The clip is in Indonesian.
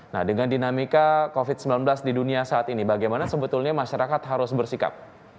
nah dengan dinamika covid sembilan belas di dunia saat ini bagaimana sebetulnya masyarakat harus bersikap